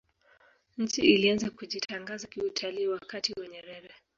nchi ilianza kujitangaza kiutalii wakati wa nyerere